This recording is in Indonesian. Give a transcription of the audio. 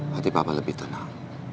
hati papa lebih tenang